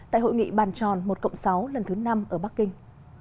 tại hội nghị bàn tròn một cộng sáu lần thứ năm ở bắc kinh